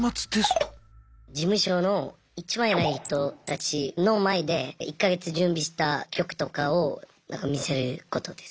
事務所のいちばんえらい人たちの前で１か月準備した曲とかを見せることです。